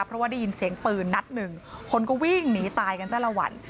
เพราะว่าได้ยินเสียงปืนนัดหนึ่งคนก็วิ่งหนีตายกันจ้าละวัน